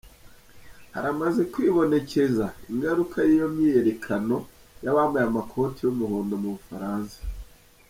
Haramaze kwibonekeza ingaruka y'iyo myiyerekano y''abambaye amakoti y'umuhondo' mu Bufaransa.